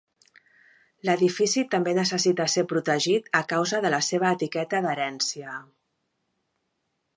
L'edifici també necessita ser protegit a causa de la seva etiqueta d'herència.